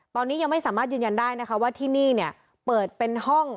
ตอนนี้ยังไม่สามารถยืนยันได้นะคะว่าที่นี่เนี่ยเปิดเป็นห้อง